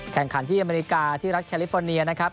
แข่งขันที่อเมริกาที่รัฐแคลิฟอร์เนียนะครับ